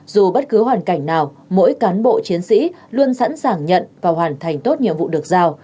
dù bất cứ hoàn cảnh nào mỗi cán bộ chiến sĩ luôn sẵn sàng nhận và hoàn thành tốt nhiệm vụ được giao